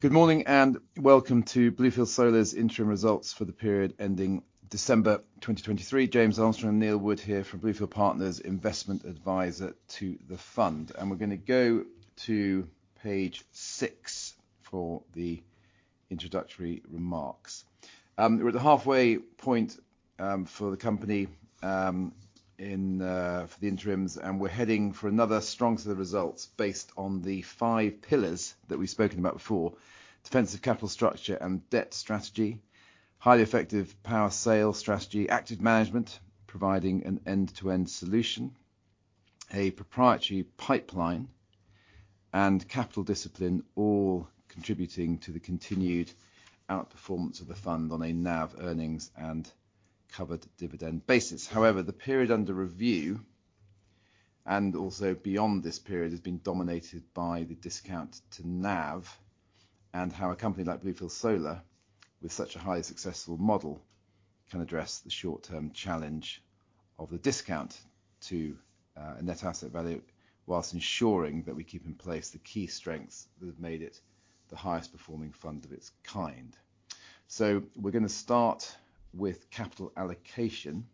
Good morning and Welcome to Bluefield Solar's Interim results for the period ending December 2023. James Armstrong and Neil Wood here from Bluefield Partners, investment advisor to the fund. We're going to go to page six for the introductory remarks. We're at the halfway point, for the company, in, for the interims, and we're heading for another strong set of results based on the five pillars that we've spoken about before: defensive capital structure and debt strategy, highly effective power sale strategy, active management providing an end-to-end solution, a proprietary pipeline, and capital discipline, all contributing to the continued outperformance of the fund on a NAV earnings and covered dividend basis. However, the period under review and also beyond this period has been dominated by the discount to NAV and how a company like Bluefield Solar, with such a highly successful model, can address the short-term challenge of the discount to a net asset value while ensuring that we keep in place the key strengths that have made it the highest performing fund of its kind. So we're going to start with capital allocation.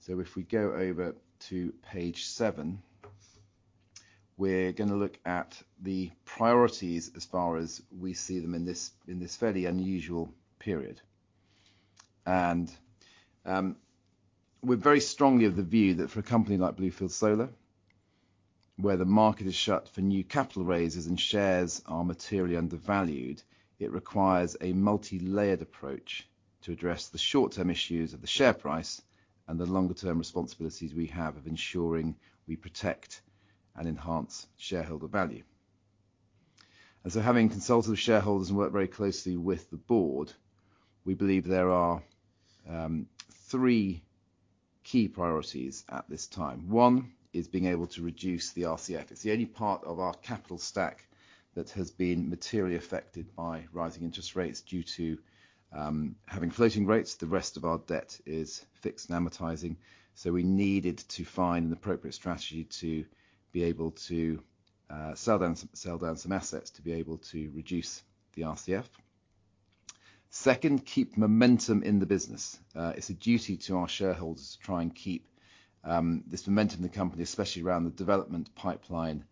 So if we go over to page 7, we're going to look at the priorities as far as we see them in this fairly unusual period. And, we're very strongly of the view that for a company like Bluefield Solar, where the market is shut for new capital raises and shares are materially undervalued, it requires a multi-layered approach to address the short-term issues of the share price and the longer-term responsibilities we have of ensuring we protect and enhance shareholder value. And so having consulted with shareholders and worked very closely with the board, we believe there are three key priorities at this time. One is being able to reduce the RCF. It's the only part of our capital stack that has been materially affected by rising interest rates due to having floating rates. The rest of our debt is fixed and amortizing. So we needed to find an appropriate strategy to be able to sell down some assets to be able to reduce the RCF. Second, keep momentum in the business. It's a duty to our shareholders to try and keep this momentum in the company, especially around the development pipeline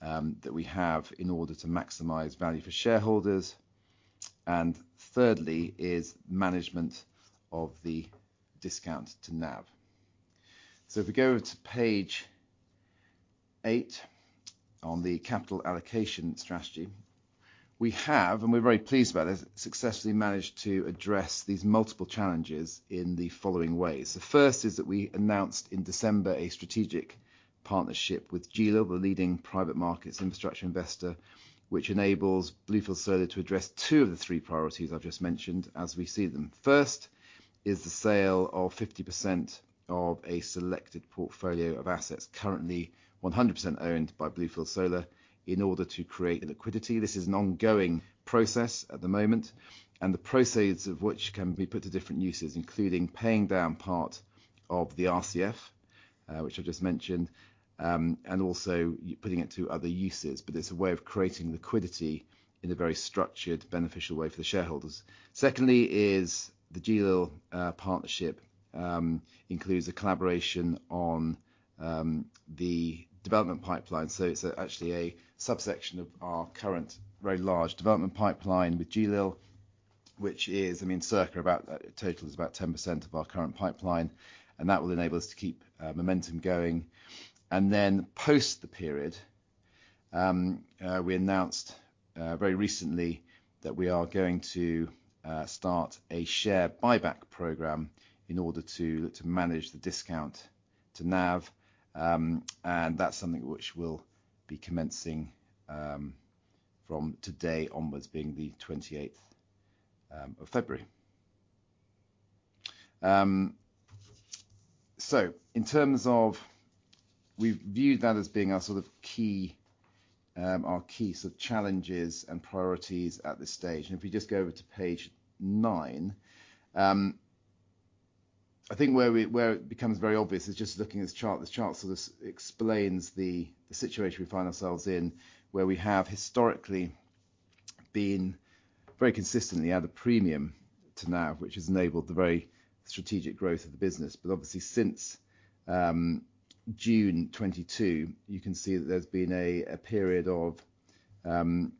that we have in order to maximize value for shareholders. And thirdly is management of the discount to NAV. So if we go over to page 8 on the capital allocation strategy, we have, and we're very pleased about it, successfully managed to address these multiple challenges in the following ways. The first is that we announced in December a strategic partnership with GLIL, the leading private markets infrastructure investor, which enables Bluefield Solar to address two of the three priorities I've just mentioned as we see them. First is the sale of 50% of a selected portfolio of assets currently 100% owned by Bluefield Solar in order to create liquidity. This is an ongoing process at the moment, and the proceeds of which can be put to different uses, including paying down part of the RCF, which I've just mentioned, and also putting it to other uses. But it's a way of creating liquidity in a very structured, beneficial way for the shareholders. Secondly is the GLIL partnership, includes a collaboration on the development pipeline. So it's actually a subsection of our current very large development pipeline with GLIL, which is, I mean, circa about total is about 10% of our current pipeline, and that will enable us to keep momentum going. And then post the period, we announced very recently that we are going to start a share buyback program in order to look to manage the discount to NAV, and that's something which we'll be commencing from today onwards, being the 28th of February. So in terms of we've viewed that as being our sort of key, our key sort of challenges and priorities at this stage. If we just go over to page 9, I think where it becomes very obvious is just looking at this chart. This chart sort of explains the situation we find ourselves in, where we have historically been very consistently added premium to NAV, which has enabled the very strategic growth of the business. But obviously, since June 2022, you can see that there's been a period of certainly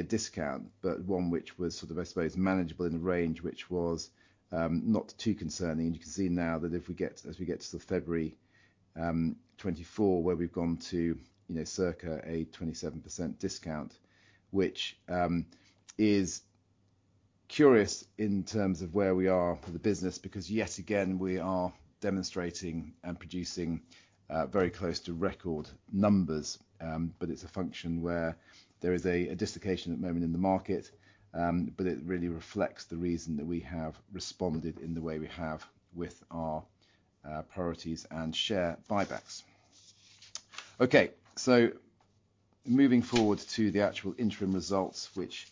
a discount, but one which was sort of, I suppose, manageable in a range which was not too concerning. You can see now that if we get to sort of February 2024, where we've gone to, you know, circa a 27% discount, which is curious in terms of where we are for the business because, yet again, we are demonstrating and producing very close to record numbers. But it's a function where there is a dislocation at the moment in the market, but it really reflects the reason that we have responded in the way we have with our priorities and share buybacks. Okay, so moving forward to the actual interim results, which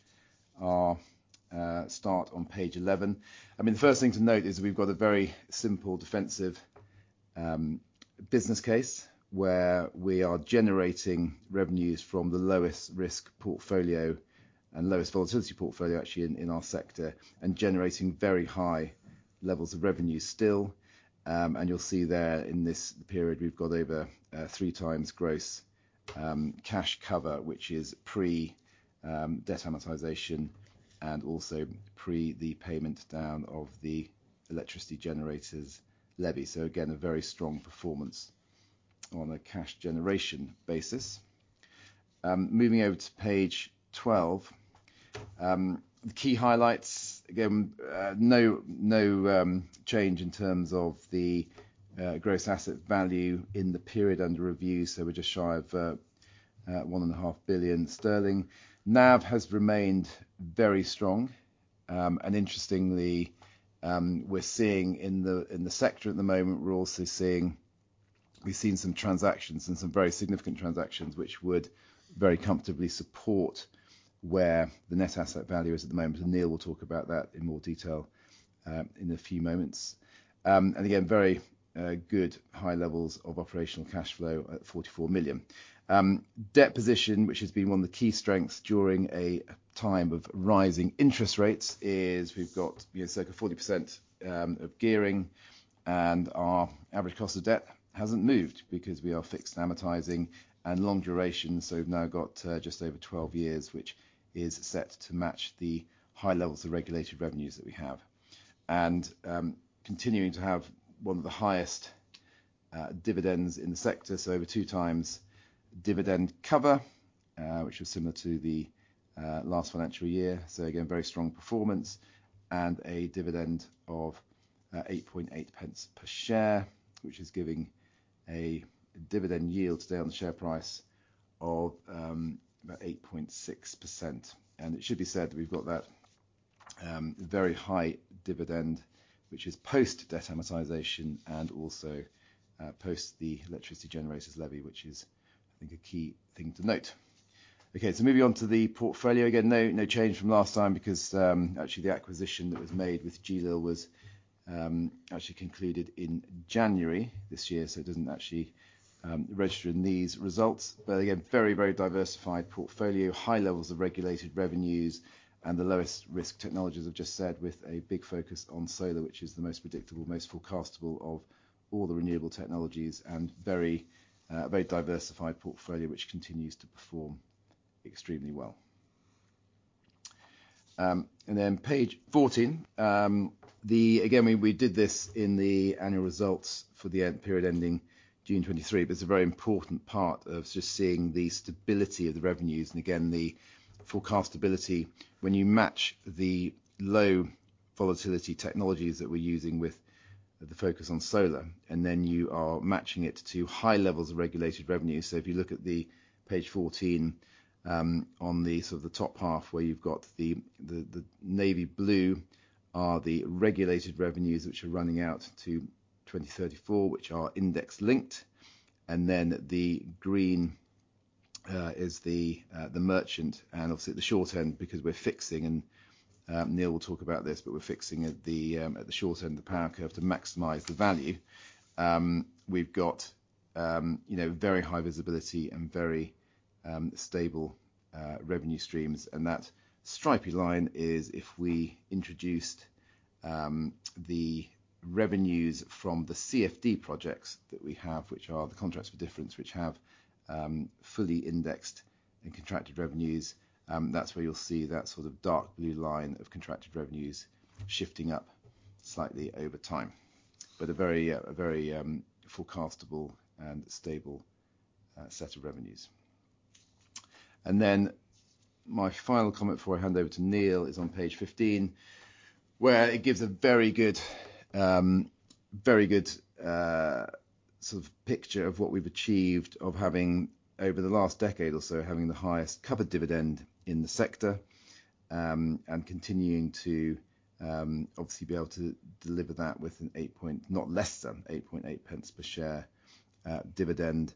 start on page 11. I mean, the first thing to note is we've got a very simple defensive business case where we are generating revenues from the lowest risk portfolio and lowest volatility portfolio, actually, in our sector and generating very high levels of revenue still. and you'll see there in this period we've got over three times gross cash cover, which is pre debt amortization and also pre the payment down of the Electricity Generators Levy. So again, a very strong performance on a cash generation basis. Moving over to page 12, the key highlights, again no change in terms of the gross asset value in the period under review. So we're just shy of 1.5 billion sterling. NAV has remained very strong. And interestingly, we're seeing in the sector at the moment, we're also seeing we've seen some transactions and some very significant transactions which would very comfortably support where the net asset value is at the moment. And Neil will talk about that in more detail in a few moments. And again, very good high levels of operational cash flow at 44 million. Debt position, which has been one of the key strengths during a time of rising interest rates, is we've got, you know, circa 40% of gearing, and our average cost of debt hasn't moved because we are fixed and amortizing and long duration. So we've now got just over 12 years, which is set to match the high levels of regulated revenues that we have and continuing to have one of the highest dividends in the sector. So over two times dividend cover, which was similar to the last financial year. So again, very strong performance and a dividend of 8.08 per share, which is giving a dividend yield today on the share price of about 8.6%. And it should be said that we've got that very high dividend, which is post debt amortization and also post the Electricity Generators Levy, which is, I think, a key thing to note. Okay, so moving on to the portfolio again, no, no change from last time because actually the acquisition that was made with GLIL was actually concluded in January this year. So it doesn't actually register in these results. But again, very, very diversified portfolio, high levels of regulated revenues, and the lowest risk technologies, as I've just said, with a big focus on solar, which is the most predictable, most forecastable of all the renewable technologies, and very, a very diversified portfolio which continues to perform extremely well. and then page 14, then again, we did this in the annual results for the period ending June 2023, but it's a very important part of just seeing the stability of the revenues and again, the forecastability when you match the low volatility technologies that we're using with the focus on solar, and then you are matching it to high levels of regulated revenues. So if you look at page 14, on the sort of the top half where you've got the navy blue are the regulated revenues which are running out to 2034, which are index linked. And then the green is the merchant, and obviously at the short end because we're fixing, and Neil will talk about this, but we're fixing at the short end of the power curve to maximize the value. We've got, you know, very high visibility and very stable revenue streams. And that stripey line is if we introduced the revenues from the CFD projects that we have, which are the Contracts for Difference, which have fully indexed and contracted revenues, that's where you'll see that sort of dark blue line of contracted revenues shifting up slightly over time, but a very, a very forecastable and stable set of revenues. And then my final comment before I hand over to Neil is on page 15, where it gives a very good, very good sort of picture of what we've achieved of having over the last decade or so, having the highest covered dividend in the sector, and continuing to, obviously be able to deliver that with an 8.08 not less than 0.08 per share dividend.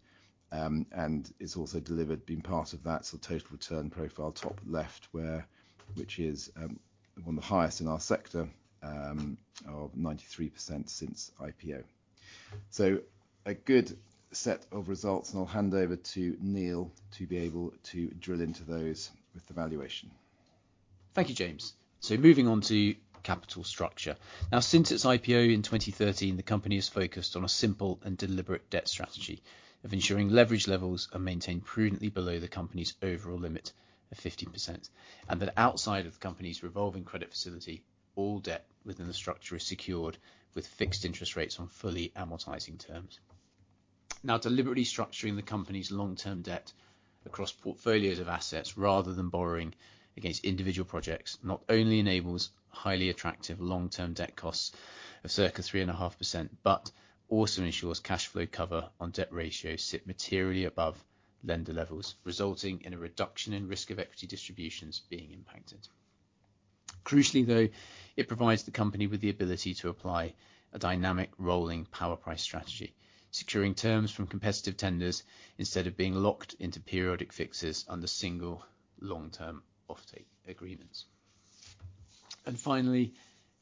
And it's also delivered being part of that sort of total return profile top left where which is one of the highest in our sector, of 93% since IPO. So a good set of results. And I'll hand over to Neil to be able to drill into those with the valuation. Thank you, James. So moving on to capital structure. Now, since its IPO in 2013, the company has focused on a simple and deliberate debt strategy of ensuring leverage levels are maintained prudently below the company's overall limit of 50% and that outside of the company's revolving credit facility, all debt within the structure is secured with fixed interest rates on fully amortizing terms. Now, deliberately structuring the company's long-term debt across portfolios of assets rather than borrowing against individual projects not only enables highly attractive long-term debt costs of circa 3.5%, but also ensures cash flow cover on debt ratios sit materially above lender levels, resulting in a reduction in risk of equity distributions being impacted. Crucially, though, it provides the company with the ability to apply a dynamic rolling power price strategy, securing terms from competitive tenders instead of being locked into periodic fixes under single long-term offtake agreements. Finally,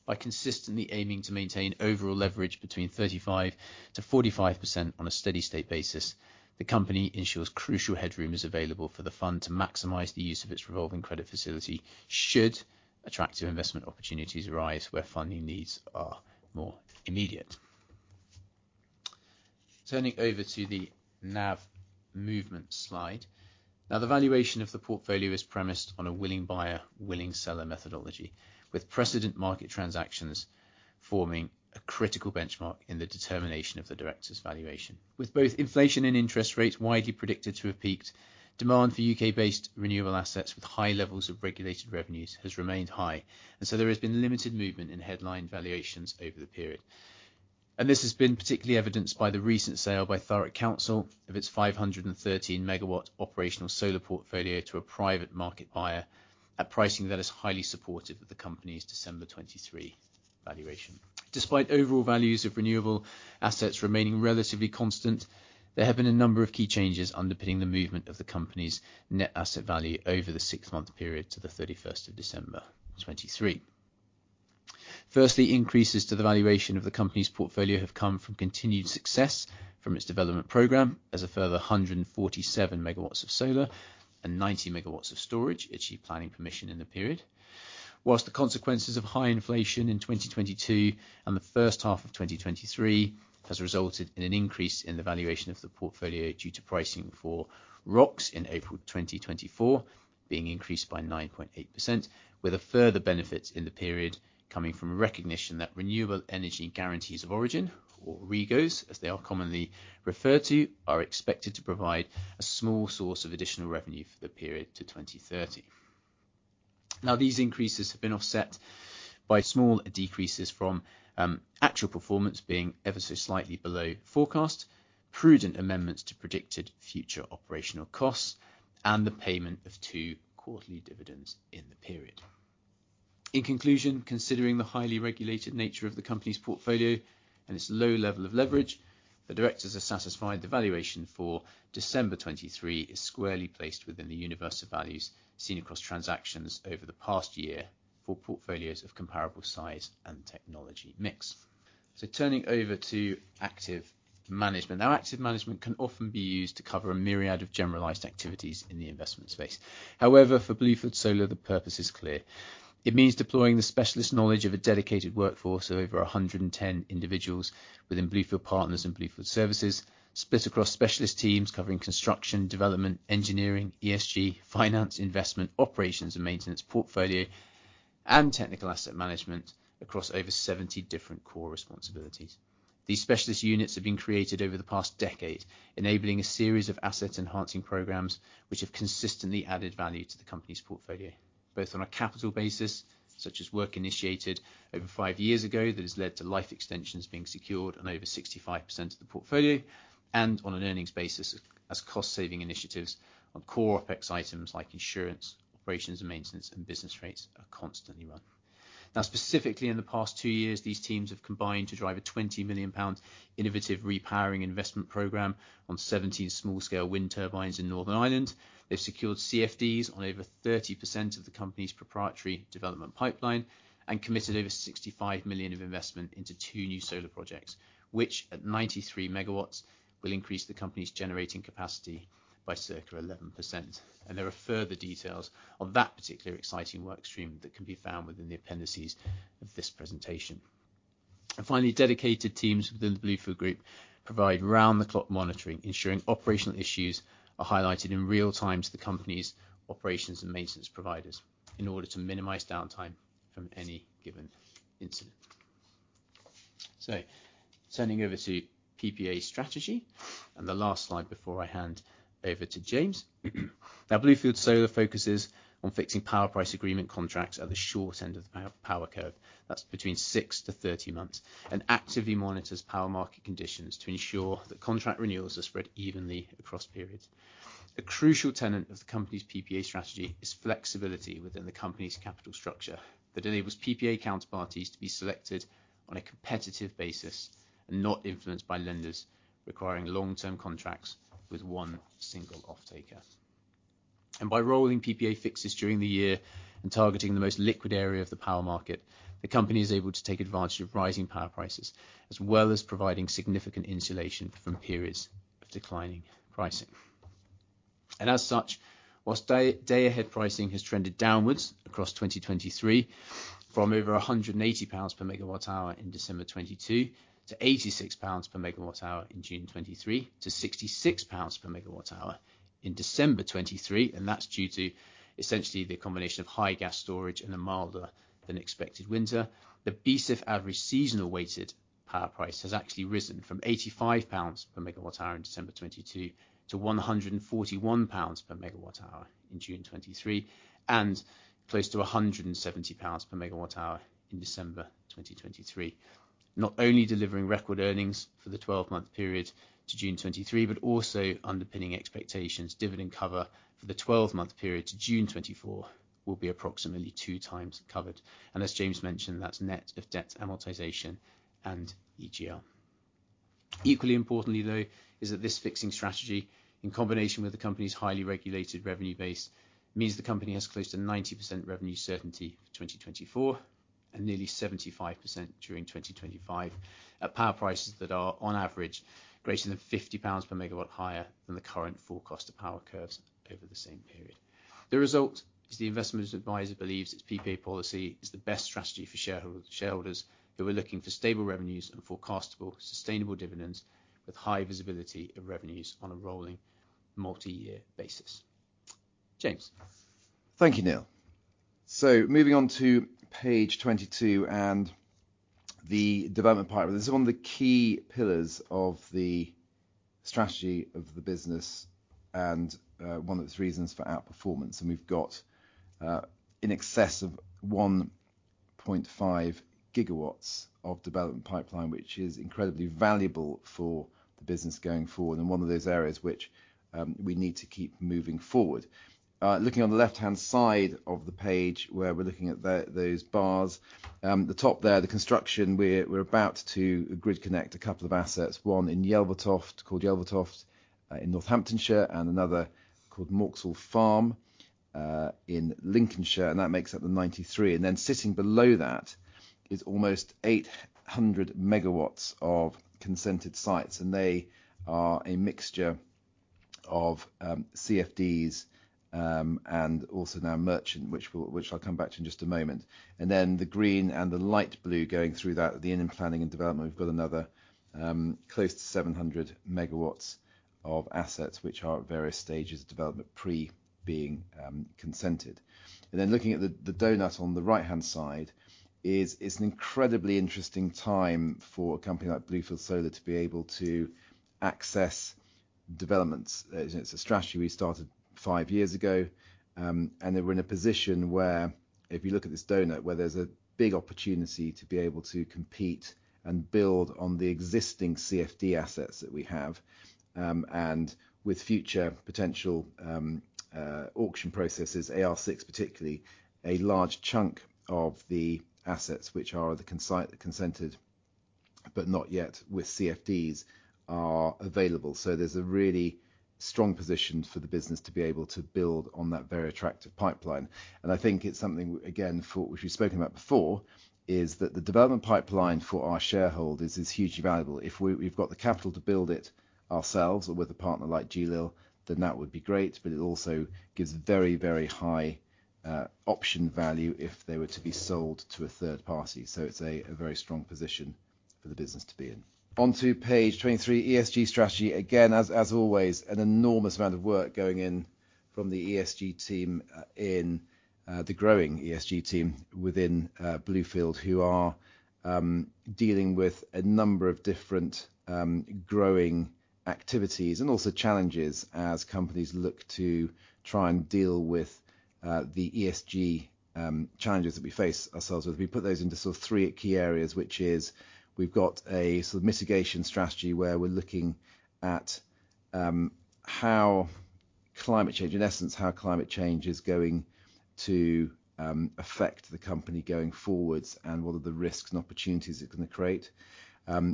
by consistently aiming to maintain overall leverage between 35%-45% on a steady state basis, the company ensures crucial headroom is available for the fund to maximize the use of its revolving credit facility should attractive investment opportunities arise where funding needs are more immediate. Turning over to the NAV movement slide. Now, the valuation of the portfolio is premised on a willing buyer, willing seller methodology, with precedent market transactions forming a critical benchmark in the determination of the director's valuation. With both inflation and interest rates widely predicted to have peaked, demand for U.K.-based renewable assets with high levels of regulated revenues has remained high. There has been limited movement in headline valuations over the period. This has been particularly evidenced by the recent sale by Thurrock Council of its 513 MW operational solar portfolio to a private market buyer at pricing that is highly supportive of the company's December 2023 valuation. Despite overall values of renewable assets remaining relatively constant, there have been a number of key changes underpinning the movement of the company's net asset value over the six-month period to the 31st of December 2023. Firstly, increases to the valuation of the company's portfolio have come from continued success from its development programme as a further 147 MW of solar and 90 MW of storage achieved planning permission in the period, while the consequences of high inflation in 2022 and the first half of 2023 have resulted in an increase in the valuation of the portfolio due to pricing for ROCs in April 2024 being increased by 9.8%, with a further benefit in the period coming from recognition that Renewable Energy Guarantees of Origin, or REGOs as they are commonly referred to, are expected to provide a small source of additional revenue for the period to 2030. Now, these increases have been offset by small decreases from, actual performance being ever so slightly below forecast, prudent amendments to predicted future operational costs, and the payment of two quarterly dividends in the period. In conclusion, considering the highly regulated nature of the company's portfolio and its low level of leverage, the directors are satisfied the valuation for December 2023 is squarely placed within the universe of values seen across transactions over the past year for portfolios of comparable size and technology mix. So turning over to active management. Now, active management can often be used to cover a myriad of generalized activities in the investment space. However, for Bluefield Solar, the purpose is clear. It means deploying the specialist knowledge of a dedicated workforce of over 110 individuals within Bluefield Partners and Bluefield Services, split across specialist teams covering construction, development, engineering, ESG, finance, investment, operations and maintenance portfolio, and technical asset management across over 70 different core responsibilities. These specialist units have been created over the past decade, enabling a series of asset enhancing programs which have consistently added value to the company's portfolio, both on a capital basis such as work initiated over five years ago that has led to life extensions being secured on over 65% of the portfolio, and on an earnings basis as cost-saving initiatives on core OpEx items like insurance, operations and maintenance, and business rates are constantly run. Now, specifically in the past two years, these teams have combined to drive a 20 million pounds innovative repowering investment program on 17 small-scale wind turbines in Northern Ireland. They've secured CFDs on over 30% of the company's proprietary development pipeline and committed over 65 million of investment into two new solar projects, which at 93 MW will increase the company's generating capacity by circa 11%. There are further details on that particular exciting workstream that can be found within the appendices of this presentation. Finally, dedicated teams within the Bluefield Group provide round-the-clock monitoring, ensuring operational issues are highlighted in real time to the company's operations and maintenance providers in order to minimize downtime from any given incident. Turning over to PPA strategy and the last slide before I hand over to James. Now, Bluefield Solar focuses on fixing power purchase agreement contracts at the short end of the power curve. That's between 6-30 months, and actively monitors power market conditions to ensure that contract renewals are spread evenly across periods. A crucial tenet of the company's PPA strategy is flexibility within the company's capital structure that enables PPA counterparties to be selected on a competitive basis and not influenced by lenders requiring long-term contracts with one single offtaker. By rolling PPA fixes during the year and targeting the most liquid area of the power market, the company is able to take advantage of rising power prices as well as providing significant insulation from periods of declining pricing. And as such, while day-ahead pricing has trended downwards across 2023 from over 180 pounds per megawatt-hour in December 2022 to 86 pounds per megawatt-hour in June 2023 to 66 pounds per megawatt-hour in December 2023, and that's due to essentially the combination of high gas storage and a milder than expected winter, the BSIF average seasonal weighted power price has actually risen from 85 pounds per megawatt-hour in December 2022 to 141 pounds per megawatt-hour in June 2023 and close to 170 pounds per megawatt-hour in December 2023, not only delivering record earnings for the 12-month period to June 2023, but also underpinning expectations dividend cover for the 12-month period to June 2024 will be approximately two times covered. And as James mentioned, that's net of debt amortization and EGL. Equally importantly, though, is that this fixing strategy in combination with the company's highly regulated revenue base means the company has close to 90% revenue certainty for 2024 and nearly 75% during 2025 at power prices that are on average greater than 50 pounds per megawatt higher than the current forecast of power curves over the same period. The result is the investment adviser believes its PPA policy is the best strategy for shareholders who are looking for stable revenues and forecastable, sustainable dividends with high visibility of revenues on a rolling multi-year basis, James. Thank you, Neil. So moving on to page 22 and the development partner. This is one of the key pillars of the strategy of the business and, one of the reasons for outperformance. And we've got, in excess of 1.5 GW of development pipeline, which is incredibly valuable for the business going forward and one of those areas which, we need to keep moving forward. Looking on the left-hand side of the page where we're looking at those bars, the top there, the construction, we're about to grid-connect a couple of assets, one in Yelvertoft called Yelvertoft, in Northamptonshire, and another called Mauxhall Farm, in Lincolnshire, and that makes up the 93. And then sitting below that is almost 800 MW of consented sites, and they are a mixture of, CFDs, and also now merchant, which I'll come back to in just a moment. Then the green and the light blue going through that, the inland planning and development, we've got another, close to 700 MW of assets which are at various stages of development pre-being consented. Then looking at the donut on the right-hand side is an incredibly interesting time for a company like Bluefield Solar to be able to access developments. It's a strategy we started five years ago, and they were in a position where if you look at this donut where there's a big opportunity to be able to compete and build on the existing CFD assets that we have, and with future potential auction processes, AR6 particularly, a large chunk of the assets which are the consented but not yet with CFDs are available. So there's a really strong position for the business to be able to build on that very attractive pipeline. And I think it's something, again, for which we've spoken about before, is that the development pipeline for our shareholders is hugely valuable. If we've got the capital to build it ourselves or with a partner like GLIL, then that would be great, but it also gives very, very high option value if they were to be sold to a third party. So it's a very strong position for the business to be in. Onto page 23, ESG strategy. Again, as always, an enormous amount of work going in from the ESG team in the growing ESG team within Bluefield who are dealing with a number of different growing activities and also challenges as companies look to try and deal with the ESG challenges that we face ourselves with. We put those into sort of three key areas, which is we've got a sort of mitigation strategy where we're looking at how climate change, in essence, how climate change is going to affect the company going forwards and what are the risks and opportunities it's going to create.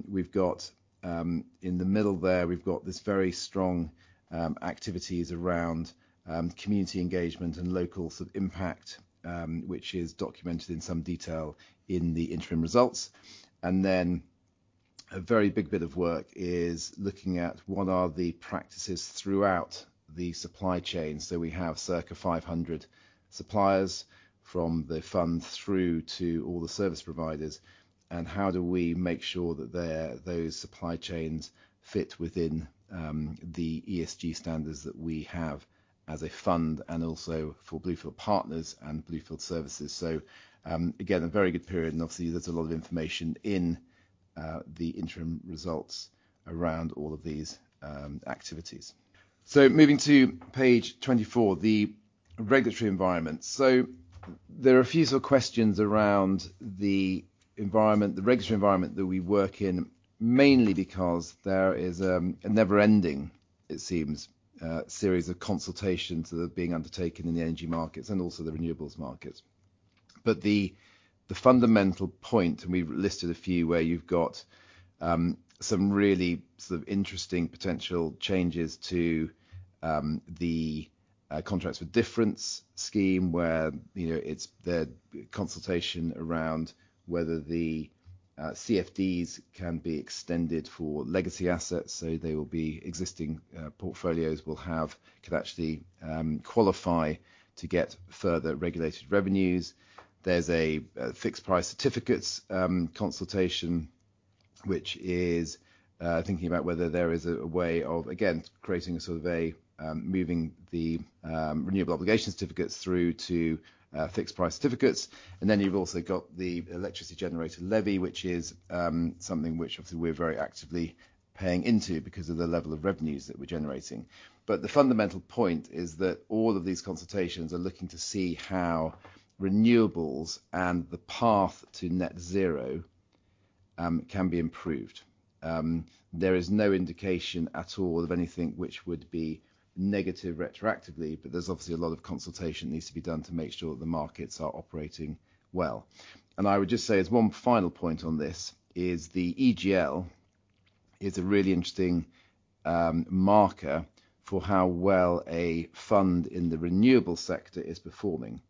We've got, in the middle there, we've got this very strong activities around community engagement and local sort of impact, which is documented in some detail in the interim results. And then a very big bit of work is looking at what are the practices throughout the supply chain. So we have circa 500 suppliers from the fund through to all the service providers. And how do we make sure that those supply chains fit within the ESG standards that we have as a fund and also for Bluefield Partners and Bluefield Services? So, again, a very good period. Obviously, there's a lot of information in the interim results around all of these activities. So moving to page 24, the regulatory environment. So there are a few sort of questions around the environment, the regulatory environment that we work in, mainly because there is a never-ending, it seems, series of consultations that are being undertaken in the energy markets and also the renewables markets. But the fundamental point, and we've listed a few where you've got some really sort of interesting potential changes to the Contracts for Difference scheme, where, you know, there's a consultation around whether the CFDs can be extended for legacy assets. So existing portfolios could actually qualify to get further regulated revenues. There's a Fixed Price Certificates consultation, which is thinking about whether there is a way of, again, creating a sort of a moving the Renewables Obligation Certificates through to Fixed Price Certificates. And then you've also got the Electricity Generator Levy, which is something which obviously we're very actively paying into because of the level of revenues that we're generating. But the fundamental point is that all of these consultations are looking to see how renewables and the path to net zero can be improved. There is no indication at all of anything which would be negative retroactively, but there's obviously a lot of consultation that needs to be done to make sure that the markets are operating well. I would just say as one final point on this is the EGL is a really interesting marker for how well a fund in the renewable sector is performing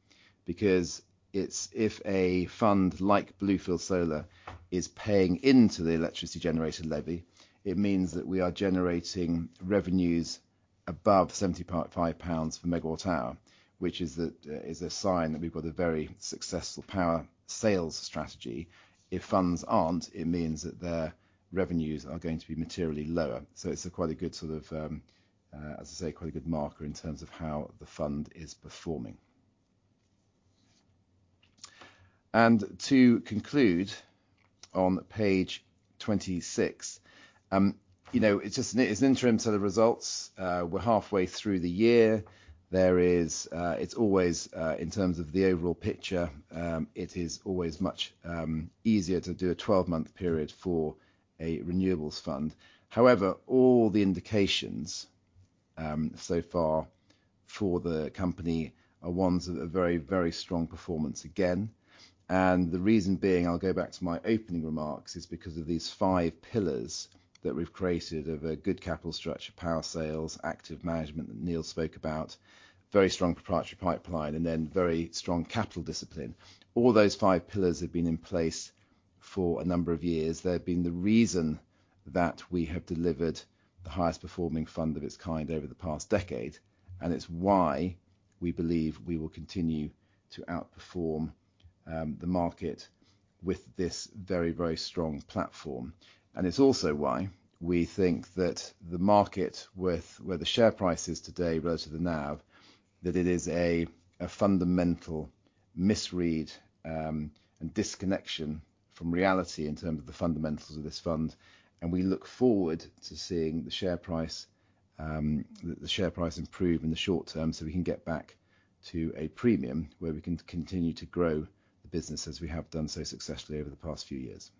because it's if a fund like Bluefield Solar is paying into the Electricity Generator Levy, it means that we are generating revenues above 75 pounds per megawatt-hour, which is a sign that we've got a very successful power sales strategy. If funds aren't, it means that their revenues are going to be materially lower. So it's quite a good sort of, as I say, quite a good marker in terms of how the fund is performing. And to conclude on page 26, you know, it's just an interim set of results. We're halfway through the year. There is, it's always, in terms of the overall picture, it is always much easier to do a 12-month period for a renewables fund. However, all the indications, so far for the company are ones of a very, very strong performance again. And the reason being, I'll go back to my opening remarks, is because of these five pillars that we've created of a good capital structure, power sales, active management that Neil spoke about, very strong proprietary pipeline, and then very strong capital discipline. All those five pillars have been in place for a number of years. They've been the reason that we have delivered the highest performing fund of its kind over the past decade, and it's why we believe we will continue to outperform, the market with this very, very strong platform. And it's also why we think that the market where the share price is today relative to the NAV, that it is a fundamental misread, and disconnection from reality in terms of the fundamentals of this fund. We look forward to seeing the share price, the share price improve in the short term so we can get back to a premium where we can continue to grow the business as we have done so successfully over the past few years.